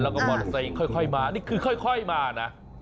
แล้วก็ใส่ค่อยมานี่คือค่อยมานะ